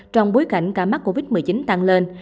trong bối cảnh ca mắc covid một mươi chín tăng lên